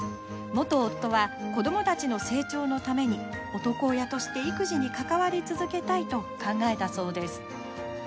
元夫は子どもたちの成長のために男親として育児に関わり続けたいと考えたそうです。